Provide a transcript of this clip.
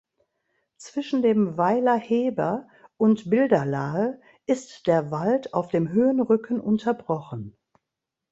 Zwischen dem Weiler Heber und Bilderlahe ist der Wald auf dem Höhenrücken unterbrochen.